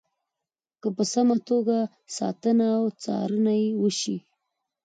که په سمه توګه ساتنه او څارنه یې وشي.